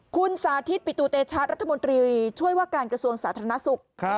คุณสาธิตปิตุเตชะรัฐมนตรีช่วยว่าการกระทรวงสาธารณสุข